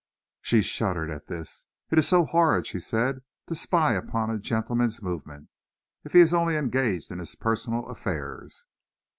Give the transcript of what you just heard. She shuddered at this. "It is so horrid," she said, "to spy upon a gentleman's movements, if he is only engaged in his personal affairs."